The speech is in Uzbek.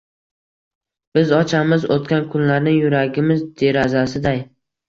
Biz ochamiz “Oʻtgan kunlar”ni yuragimiz derazasiday.